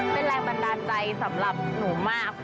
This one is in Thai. เป็นแรงบันดาลใจสำหรับหนูมาก